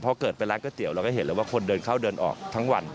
พอเกิดไปร้านก๋วเตี๋ยเราก็เห็นเลยว่าคนเดินเข้าเดินออกทั้งวัน